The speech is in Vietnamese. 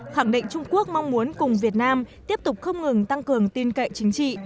khẳng định trung quốc mong muốn cùng việt nam tiếp tục không ngừng tăng cường tin cậy chính trị